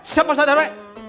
siap pak ustadz rw